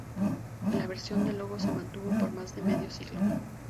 La versión del logo se mantuvo por más de medio siglo.